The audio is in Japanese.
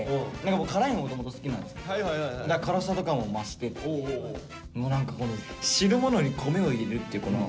辛いのもともと好きなんですけど辛さとかも増してもう何かこう汁物に米を入れるっていうこのちょっとの罪悪感。